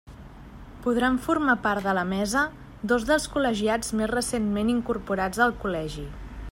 Podran formar part de la Mesa dos dels col·legiats més recentment incorporats al Col·legi.